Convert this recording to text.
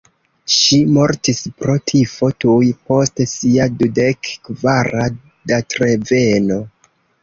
Ŝi mortis pro tifo tuj post sia dudek kvara datreveno.